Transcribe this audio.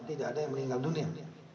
tidak ada yang meninggal dunia